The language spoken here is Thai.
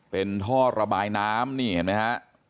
เป็นท่อระบายน้ำนี่เห็นไหมฮะ